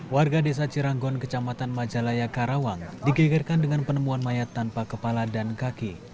warga desa ciranggon kecamatan majalaya karawang digegerkan dengan penemuan mayat tanpa kepala dan kaki